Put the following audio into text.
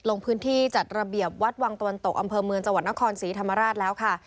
ลงพื้นที่จัดระเบียบวัดวังตะวันตกอำเภอเมืองจังหวัดนครศรีธรรมราชแล้วค่ะ